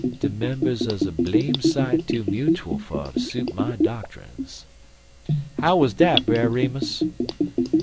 De members 'uz a blame sight too mutuel fer ter suit my doctrines." "How wuz dat, Brer Remus?"